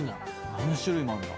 何種類もあんだ。